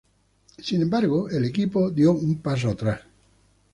Sin embargo, el equipo dio un paso atrás.